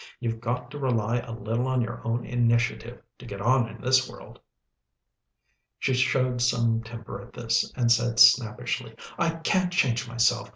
You've got to rely a little on your own initiative, to get on in this world." She showed some temper at this, and said snappishly, "I can't change myself.